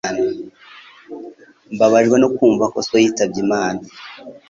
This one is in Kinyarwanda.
Mbabajwe no kumva ko so yitabye Imana